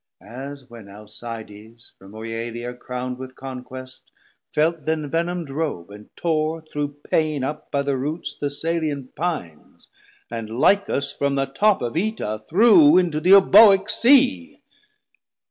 As when Alcides from Oealia Crown'd With conquest, felt th' envenom'd robe, and tore Through pain up by the roots Thessalian Pines, And Lichas from the top of Oeta threw Into th' Euboic Sea.